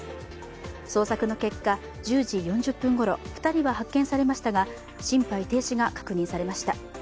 捜索の結果１０時４０分ごろ２人は発見されましたが心肺停止が確認されました。